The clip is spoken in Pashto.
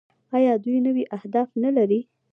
آیا دوی نوي اهداف نلري؟